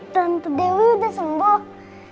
tante dewi udah sembuh